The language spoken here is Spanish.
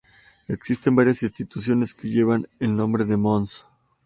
Existen varias instituciones que llevan el nombre de Mons.